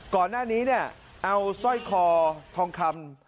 ก่อนหน้านี้เนี่ยเอาสร้อยคอทองคำ